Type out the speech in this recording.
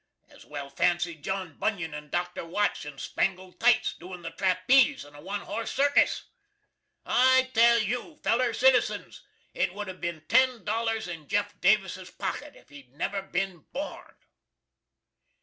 As well fancy John Bunyan and Dr. Watts in spangled tites, doin the trapeze in a one horse circus! I tell you, feller citizens, it would have bin ten dollars in Jeff Davis's pocket if he'd never bin born!